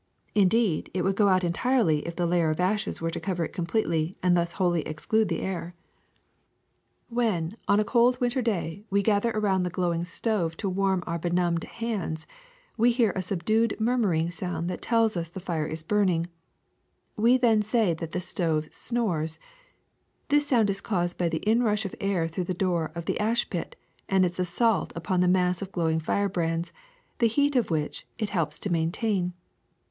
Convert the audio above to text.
Indeed, it would go out entirely if the layer of ashes were to cover it completely and thus wholly exclude the air. AIR 297 *^WherL on a cold winter day we gather around the glowing stove to warm our benumbed hands, we hear a subdued murmuring sound that tells us the fire is burning. We say then that the stove snores. This sound is caused by the inrush of air through the door of the ash pit and its assault upon the mass of glow ing firebrands, the heat of which it helps to maintain.